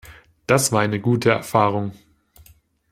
Das war eine gute Erfahrung.